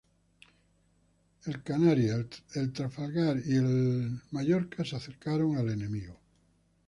El "Houston", el "Exeter" y el "Java" se acercaron hacia el enemigo.